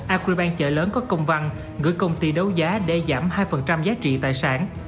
acribank chợ lớn có công văn gửi công ty đấu giá đe giảm hai giá trị tài sản